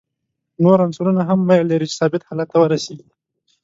نور عنصرونه هم میل لري چې ثابت حالت ته ورسیږي.